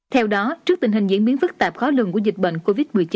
theo đó trước tình hình diễn biến phức tạp khó lường của dịch bệnh covid một mươi chín